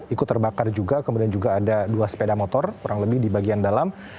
ikut terbakar juga kemudian juga ada dua sepeda motor kurang lebih di bagian dalam